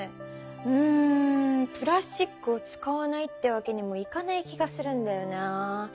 うんプラスチックを使わないってわけにもいかない気がするんだよな。